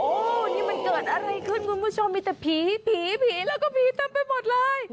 โอ้โหนี่มันเกิดอะไรขึ้นคุณผู้ชมมีแต่ผีผีผีแล้วก็ผีเต็มไปหมดเลย